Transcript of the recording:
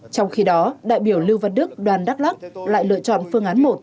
trong khi đó đại biểu lưu văn đức đoàn đắk lắc lại lựa chọn phương án một